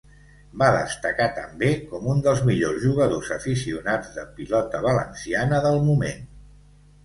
Va destacar també com un dels millors jugadors aficionats de Pilota Valenciana del moment.